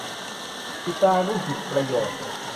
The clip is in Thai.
หิตานุหิตประโยชน์